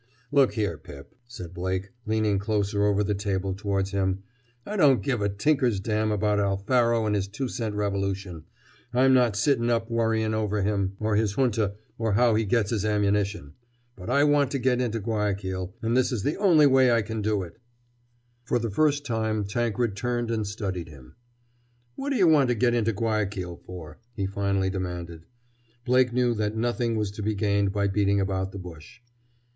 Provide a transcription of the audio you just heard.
"Look here, Pip," said Blake, leaning closer over the table towards him. "I don't give a tinker's dam about Alfaro and his two cent revolution. I'm not sitting up worrying over him or his junta or how he gets his ammunition. But I want to get into Guayaquil, and this is the only way I can do it!" For the first time Tankred turned and studied him. "What d' you want to get into Guayaquil for?" he finally demanded. Blake knew that nothing was to be gained by beating about the bush.